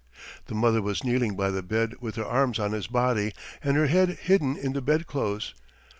The mother was kneeling by the bed with her arms on his body and her head hidden in the bedclothes.